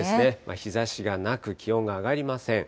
日ざしがなく、気温が上がりません。